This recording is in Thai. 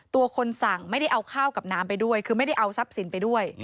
คนสั่งไม่ได้เอาข้าวกับน้ำไปด้วยคือไม่ได้เอาทรัพย์สินไปด้วย